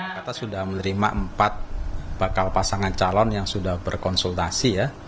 kita sudah menerima empat bakal pasangan calon yang sudah berkonsultasi ya